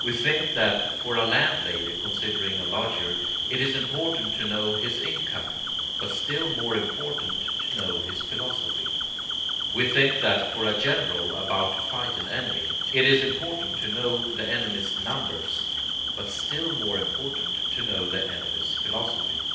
We think that for a landlady considering a lodger, it is important to know his income, but still more important to know his philosophy. We think that for a general about to fight an enemy, it is important to know the enemy's numbers, but still more important to know the enemy's philosophy.